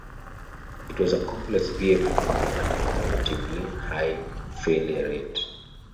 It was a complex vehicle and had a relatively high failure rate.